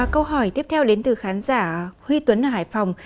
câu hỏi tiếp theo đến từ khán giả huy tuấn ở hải phòng